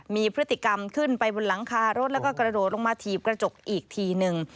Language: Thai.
มีพฤติกรรมขึ้นไปบนหลังคารถแล้วก็กระโดดลงมาถีบกระจกอีกทีนึง